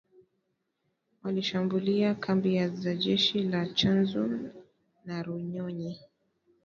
walishambulia kambi za jeshi la Tchanzu na Runyonyi